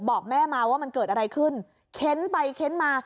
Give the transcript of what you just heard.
บอกแม่มาว่ามันเกิดอะไรขึ้นเค้นไปเค้นมา